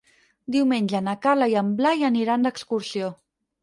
Diumenge na Carla i en Blai aniran d'excursió.